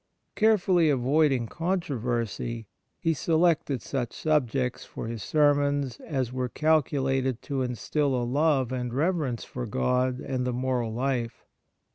Care fully avoiding controversy, he selected such subjects for his sermons as were calculated to instil a love and reverence for God and the moral life.